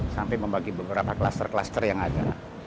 sampai membagi beberapa kluster kluster yang ada